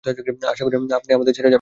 আশা করি আপনি আমাদের ছেড়ে যাবেন না।